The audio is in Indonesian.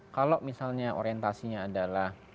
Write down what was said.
kalau misalnya orientasinya adalah